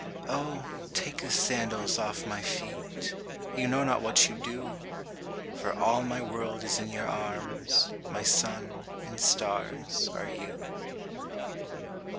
Oh, take the sandals off my feet, You know not what you do; For all my world is in your arms, My sun and stars are you.